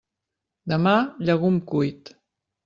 Demà, llegum cuit.